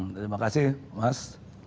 terima kasih mas